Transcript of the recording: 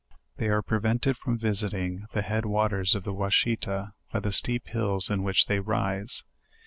They are prevented from visiting the head waters of the Washita by the steep hills in which they rise.